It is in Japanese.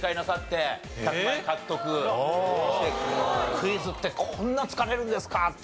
クイズってこんな疲れるんですかって。